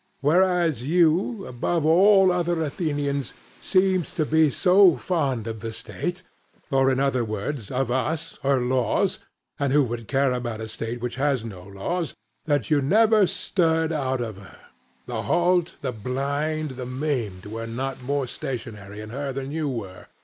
Whereas you, above all other Athenians, seemed to be so fond of the state, or, in other words, of us her laws (and who would care about a state which has no laws?), that you never stirred out of her; the halt, the blind, the maimed, were not more stationary in her than you were.